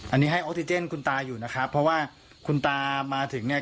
อันนี้ให้ออกซิเจนคุณตาอยู่นะครับเพราะว่าคุณตามาถึงเนี่ย